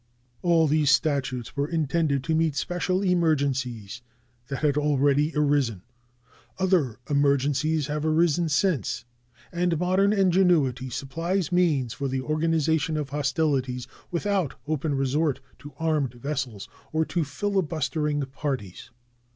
All these statutes were intended to meet special emergencies that had already arisen. Other emergencies have arisen since, and modern ingenuity supplies means for the organization of hostilities without open resort to armed vessels or to filibustering parties.